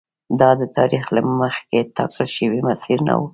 دا د تاریخ له مخکې ټاکل شوی مسیر نه و.